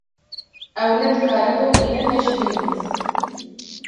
Ew ne dikare bixwîne ne jî binivîse.